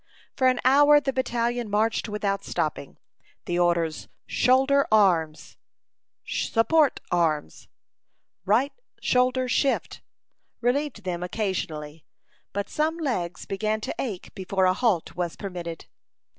For an hour the battalion marched without stopping. The orders "shoulder arms," "support arms," "right shoulder shift" relieved them occasionally; but some legs began to ache before a halt was permitted.